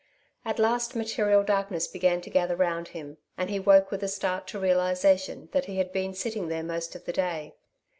At last material darkness began to gather round him, and he awoke with a start to realization that he had been sitting there most of the day.